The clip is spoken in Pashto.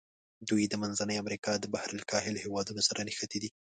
دوی د منځني امریکا د بحر الکاهل هېوادونو سره نښتي دي.